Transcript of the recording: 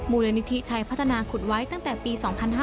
มูลนิธิชัยพัฒนาขุดไว้ตั้งแต่ปี๒๕๕๙